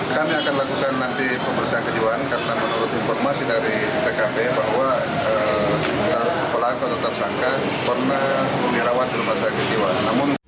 kami akan lakukan nanti pemeriksaan kejiwaan karena menurut informasi dari tkp bahwa pelaku atau tersangka pernah memirawat dalam masa kejiwaan